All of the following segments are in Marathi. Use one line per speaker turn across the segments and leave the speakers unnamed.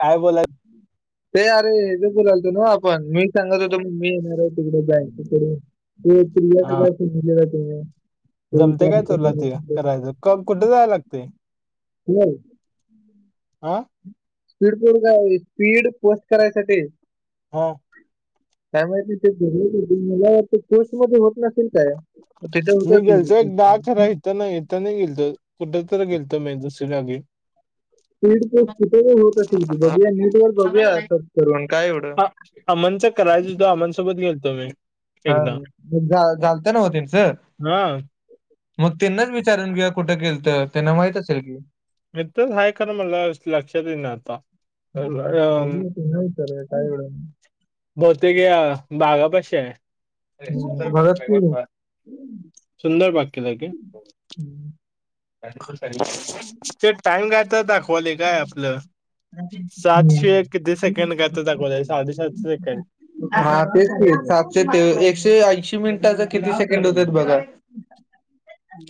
काय बोला.
ते अरे हे ज बलालतो ना आपण मी सांगत होतो मग मी येणार आहे तिकडे जा तिकडे. ते
हा
क्रियानगर समलेला तुम्ही ते
जमते काय
विचार
तुला ते
करायला.
करायचं क कुठे जायला लागते.
नाही.
आा.
स्पीड बो स्पीड पोस्ट करायसाठी
हो.
काय माहिित नाही ते म पोस्ट मध्ये होत नसेल काय. तिथे होत
मी
असेल
गेलतो एकदाहा अखरा इथ नाहीथ नाही गेलतो कुठ तररी गेलतो मुस तलाे.
स्ीड कुठे होत अस बघूया नीट वर बघूया सर्च करून काय एवढं.
अमनचं करायचंद् अमनसोबत गेलो.
हा घलत नावते सर
हा.
मग त्यांनाच विचारून घे कुठं केल तर त्यांना माहित असेल की
मित्रच हा खरं मला लक्षातही ना आता
हम्म.
अ.
बघूया त्यांना काय?
बोतेक या बागा पश आहे.
हम्म,
ंदर
भगत सिंग
ब्य सुंदर बक्यलागे ते टाइम काता दाखवले काय आपलं.
हम्म.
सातशे किती सेकंड करता कोोला साडेसातशे सेकंड
हा तेच ते सातशे ते एकशे ऐंशी मिनिटाच. किती सेकंड होतात बघा.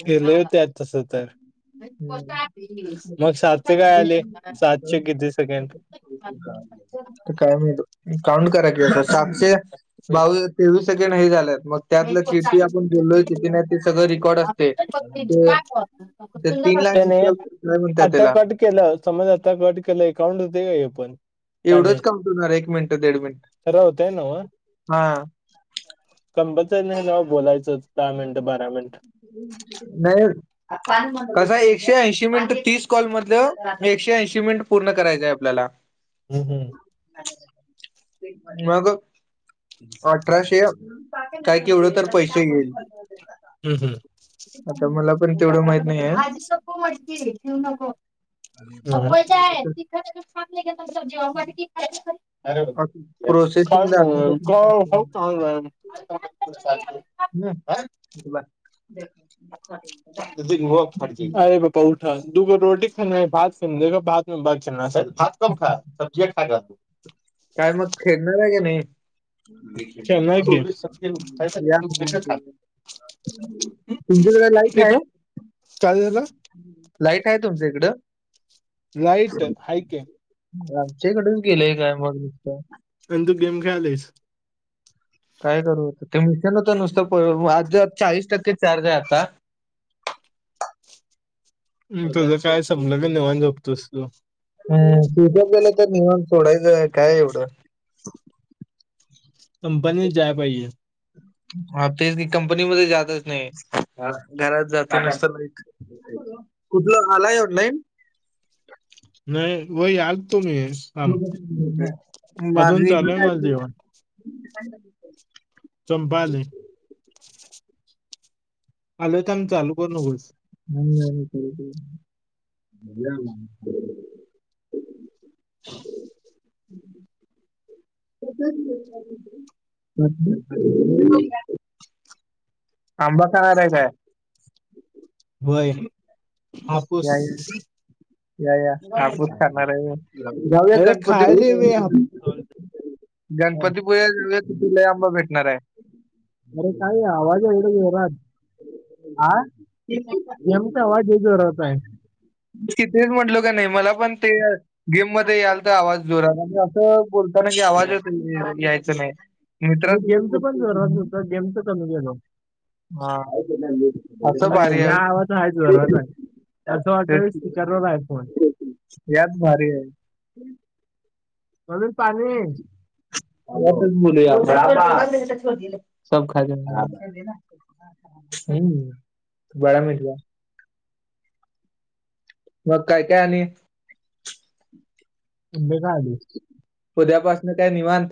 हे लव त्या आज तस तर मग सातशे काय आले सातशे किती सेकंड.
काय म्ह काउंट कराय क सातशे बावीस तेवीस सेकंड ह झालेत. मग त्यातलं किती आपण बोललोय किती नाही ते सगळं. रेकॉर्ड असते.
यत.
ते ते तीन लाईन काय म्हणतात
आता
त्याला
कट केलं समज आता कट केलं अकाउंट होते का ओपन.
एवढंच कमपवणार एक मिनिट दड मिनट
खरं
हा.
कंबच नाही नाव बोलायचं दहा मिनिट बारा मिनिट
नाही कस एकशे शी मिन तीस कॉल मध एकशे ऐंशी मिनट पूर्ण कयंय आपल्याला
हम्म हम्.
मग अठराशे काय केवढं तर पैस होईल.
हम्म हम्म.
मला पण तेवढं माहित नाही
भाजी
आहे
सपो म्हटते ठेव नको सपयच्या आहे तिथ. ले स्ी ऑफर
प्रोसेसिंग दाखवलं
क अ हो का मॅ आा.
बवा
मु फडी बापा उठा. दुगो रोटी खा आहे भात ख भाते बाग खे भात कब खा सबजी खा ख तू
काय मग खेळणार आहे की नाही, रीकामा
खेलना है
आहे,
गेम सब्जी खाई सर तू बेटा खा
तुमचीक लाईट
एक
आहे.
काय झालं
लाईट आहे तुमच इकड
लाईट हयकिंग
आमच्याकडेच गेलंय काय मग नुसत,
आणि तु गेम ख्यालीस
काय करू होतं ते मिशनच नुसतं आज चाळीस टक्के चार्ज आहे आता [inaudible]
तुझं काय संपलं क नाहीेव जबतोस तू, [unintelligible]
हम् तिच्यार गेलं तर नियम सोडायचंय काय एवढं
कंपनी जाय पाये,
हा तेच कंपनी मध्ये जातच नाही घरात जात नसतक कुठलं आला ए नाही
नाही वही हल, अजून चालू आहे माझं जेवण
[unintelligible]
चंपाले, [inaudible] आल तर आ् चालू करू नकोस,
नाही नाही,
[inaudible]
[inaudible] [unintelligible] आंबा काार काय [unintelligible] [unintelligible]
बय आपूस,
या या या या आपूच करणार आहे मी जाऊया
अरे
गणपती
खायले वे
[unintelligible]
हापूस
गणपतीपूज्या तुला आंबा भेटणार आहे
[unintelligible]
[unintelligible]
गेमचा आवाज हे जोरात आहे
तिथेच म्हटलो का नाही मला पण ते गेम मध्ये याल तर आवाज जोराला आणि असं बोलताना आवाज यायच नाही.
आणि गेमचं पण जोरात होतं
[unintelligible]
गेमचं कमी गेलो
हा असं
आणि
भारी आहे,
ह्या आवाज हा जोरात आहे असं
तेच
वाटतं
की.
स्पीकरवर आयफोन.
यात भारी आहे,
म्हणून पाणी
च बोलूया आप, [unintelligible] [unintelligible] मंग काय काय आणि,
[unintelligible]
उद्यापासून काय निवांत,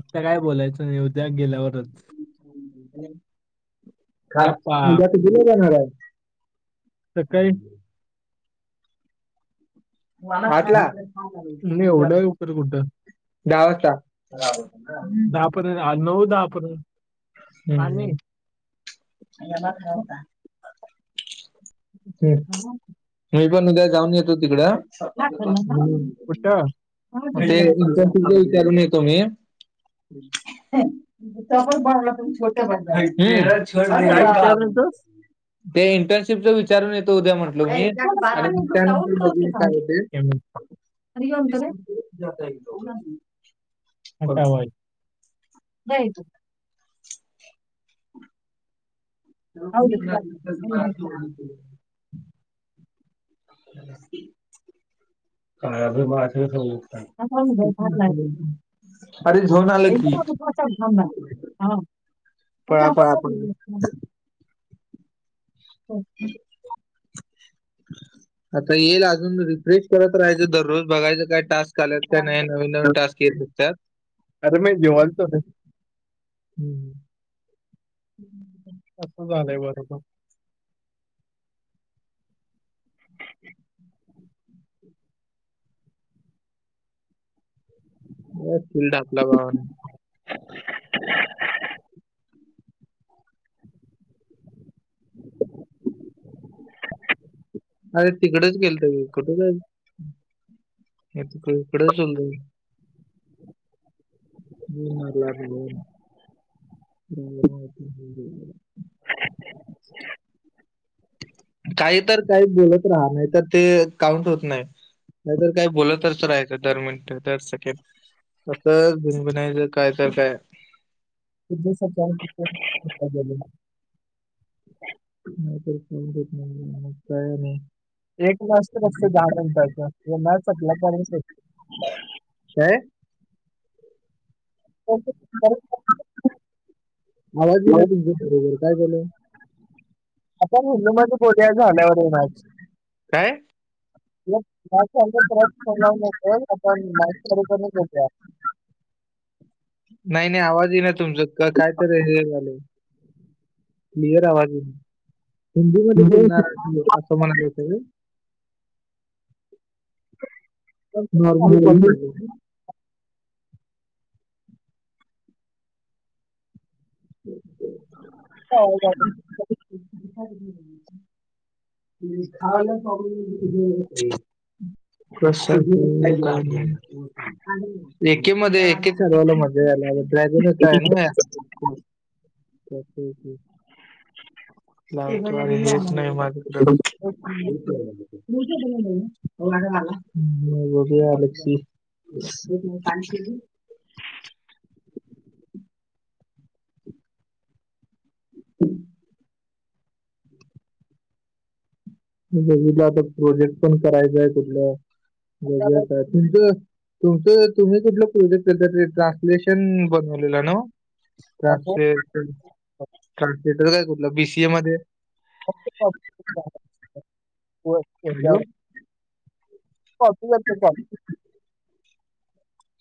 आता काय बोलायचं उद्या गेल्यावरच
खा
गप्पा
उद्या तिकडं नाही जाणारं आहे.
सकाळी,
पहाटला,
नाही एवढं लवकर कुठं
गांवचा,
दहा पर्यंत आ, [unintelligible]
[unintelligible] ह् [unintelligible]
पाणी हा,
मी पणं उद्या जाऊंन येतो तिकडं
लागलं ना कुठं हा, किती
ते
दिलं मग
इंटशिपट्य विचारून येतो मी डबल बनला पणं छोट बनला
काय
छ
विचारलं तर
ते इंटर्नशिपच विचारून येतं उद्या म्हटलं मी आणि त्यानंतर बघून काय होतें
केमिस्ट
रोज जातोय तो
आता वय वय ईकून
म घ मला [inaudible] काय माझं होऊ अरे झोन आलं की
हा
पळा
आता
पळा
कोण
पळा
आहे होम
आता येईल अजून रिफ्रेश करत राहायचं दररोज बघायचं काय टास्क आल्यात. नाही नवीन नवीन टास्क येऊ शकतात.
अरे मी जेवणतो रे
हम्म ह
असं झालंय बरोबर
फिल्ड आपल्या भावने अरे तिकडेच गेलं तो कुठु नाही याडे सुंद म मला कांहीं तर कांहीं बोलतं राहा नाहीं तर ते काउंट होतं नाहीं नाहीं तर कांहीं बोलतं तर राहायचं दर मिनिटं दर सेकंड असंच बूनबूनायचं काय तर काय
क स [inaudible]
नाही मग का नाही [inaudible]
एक टास असतों दहा मिनिटांचा तो नाही संपते तोपर्यंत असंच
काय आवाजही ना तुमच्या येई बरोबर काय बोलू
आता मुलें मध्यें कोरिया झाल्यावर आहे माझं
काय
म आपण माूप घेत [inaudible]
नाहीं नाहीं आवाज नाही तुमचचा कायतरी रिनियूहे झालंय क्लिअर आवाज हिंदी मध्यें बोलणारं आहे तूम्ही असं म्हणायले तूम्ही नॉर्मल कॉल
घेतोया
पाहीजे होता.
हो
[unintelligible] कशा एके मध्ये ते ठरवलं म्हणजे झालं‌ याला ड्रॅगनच आहे ना. येऊच नाय मा [unintelligible] होय मला [unintelligible] बघू की आता प्रोजेक्ट पण करायचाय कुठला, बघु
झालं
आता तुम तुमचं तुम्ही कुठलं प्रोजेक्ट [unintelligible] ट्रान्सलेशन बनवलेलं नव्ह? ट्रान्सलेशन, ट्रान्सलेटर आपलं बी सी ए मध्ये.
ते कॉपी झालं.
हॅलो
[unintelligible] कॉपी [unintelligible]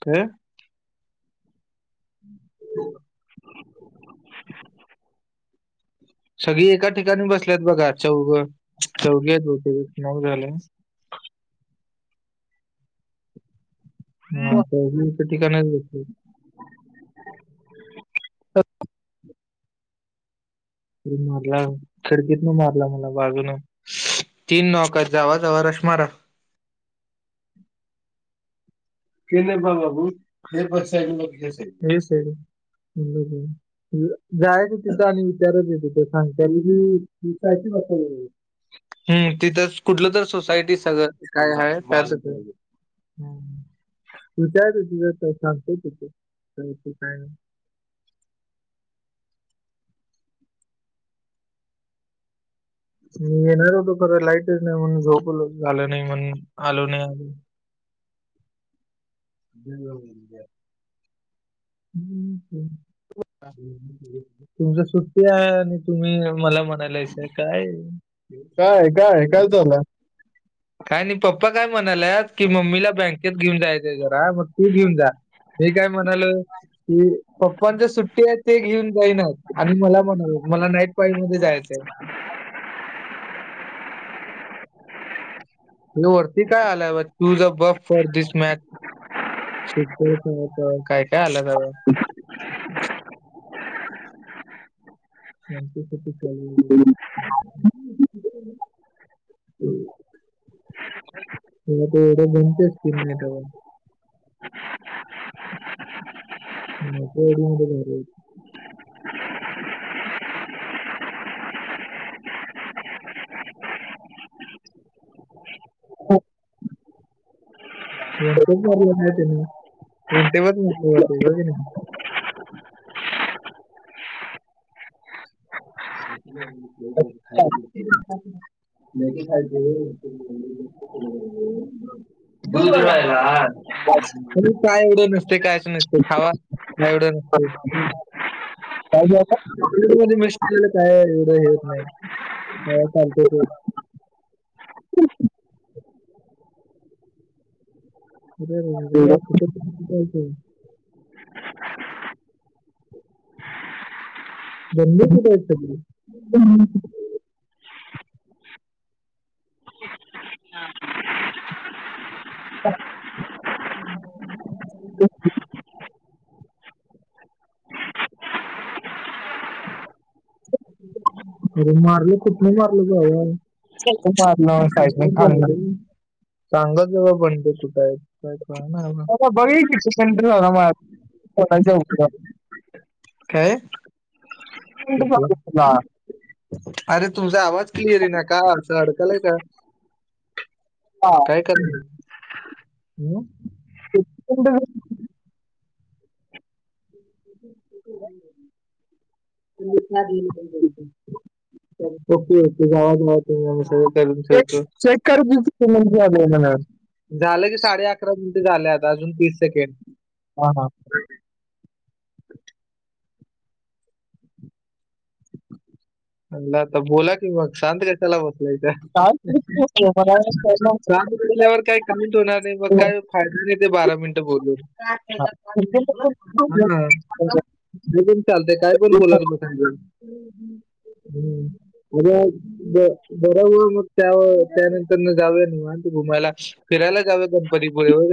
काय? [unintelligible] सगळी एका ठिकाणी बसल्यात बघा चौघं, चौघे हायत बहुतेक नऊ झाले. [inaudible]
तो
आता [unintelligible] ठिकाणीच बसलेत. मारला खडकीतनं मारला मला बाजुनं. तीन नौका जावा जावा रश मारं. पेन आहे का बाबू पेपर साईन [unintelligible] जायच तिथं. आणि विचारत आहे तिथ सांगता की, [unintelligible] हम्म तिथं कुठलं तर सोसायटी सगळं काय आहे त्याचं हम्म. तूच त्या दिवशी सांगतय तिथ काय नाही. [unintelligible] [unintelligible] म येणार होतो. खरं लाईटच नाही म्हणून झोपलो. झालं नाही म्हणून आलो नाही आजून. अ हम्. तु सुट्टी हाय आणि तुम्ही मला म्हणायलायश काय?
काय-काय-काय चालू हाय?
काय नाही पप्पा काय म्हणाल्यात. कि मम्मीला बँकेत घेऊन जायचे जरा मग तू घेऊन जा. हे काय म्हणालोय. की पप्पांच्या सुट्टी आहे ते घेऊन जाईनात आणि मला म्हणालेत. मला नाईट पार्क मध्ये जायचंय. हे वरती काय आलाय बा. Choose a buff, for this match श काय काय आला त [unintelligible] [unintelligible]
ह [unintelligible]
ह् [unintelligible] ह एढ बणतेच कि नाही [unintelligible] माझ्या गाडीमध्ये [unintelligible] वंटेच मारले नाहीते नाही वंटेवर मारले होते बघ नाही [unintelligible] [unintelligible] [unintelligible] मॅगी खायच [unintelligible] [unintelligible] काय एवढं नसते कायच नसते खावा काय एवढं हो ह.
काय झालं
[unintelligible] मध्ये मिळू श आपल्याला काय एवढं हे होत नाही, त्यामुळं चालत ते अरे
एवढं
[inaudible] ब क काय त हम् [inaudible] अरे मारलं कुठन मारलं बाऊ
खेचून मारलं साईडने
[inaudible]
खाणलं
सांगतजा बाईकुठे आहे काय कळना बाबा.
आता बघुयाकी [unintelligible] मळ्यात बघायचं अंकुरात
काय ठीक
झाला तुला.
आहे अरे तुमचा आवाज क्लिअरईना का असं अडकालाय का
हा.
काय करणार हम
हड
ह [unintelligible] [unintelligible]
चेक
ठेवतो
चेक करू त म्ह म्हणा.
झालं की साडे अकरा मिनटे झालं आता अजून तीस सेकंड
हा हा.
अन्ना आता बोला कि मग शांत कशाला ब नैजा
काय किती झाले? मला कळलं नाही.
सांगमटल्यावर काय काउंट होणार नाही मग काय फायदा नाही दे बारा मिनिट बोलून का
हा.
त्याच्यात
किती
म्हणल हा.
लोकं
हे पण चालतय काय पण
झाले?
बोलत बसायचं. हम्म. अ बराब मग त्या त्यानंतर न जाऊया निवात घुमायला फि फिरायला जावया गणपतीपुळे